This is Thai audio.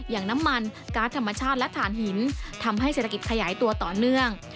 อย่างน้ำมันการ์ดธรรมชาติและฐานหินทำให้เศรษฐกิจขยายตัวต่อเนื่อง